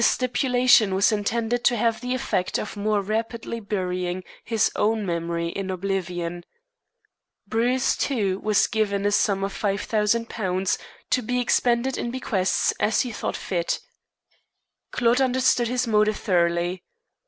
The stipulation was intended to have the effect of more rapidly burying his own memory in oblivion. Bruce, too, was given a sum of £5,000, "to be expended in bequests as he thought fit." Claude understood his motive thoroughly.